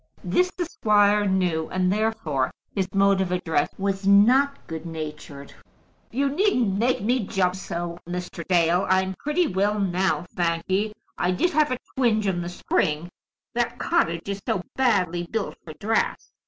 This the squire knew, and therefore his mode of address was not good natured. "You needn't make me jump so, Mr. Dale. I'm pretty well now, thank ye. I did have a twinge in the spring, that cottage is so badly built for draughts!